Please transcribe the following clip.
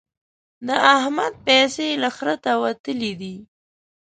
د احمد پيسې له خرته وتلې دي.